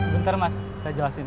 bentar mas saya jelasin